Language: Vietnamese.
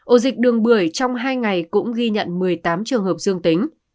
ổ dịch đường bưởi trong hai ngày cũng ghi nhận một mươi tám trường hợp dương tính